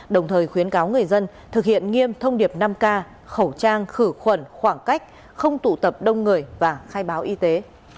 đồng thời khuyến cáo người dân thực hiện nghiêm thông điệp năm k khẩu trang khử khuẩn khoảng cách không tụ tập đông người và khai báo y tế